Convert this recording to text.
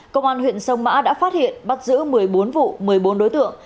công an huyện sông mã đã phát hiện bắt giữ một mươi bốn vụ một mươi bốn đối tượng